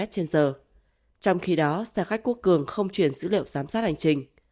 trên khi đó xe khách quốc cường không truyền dữ liệu giám sát hành trình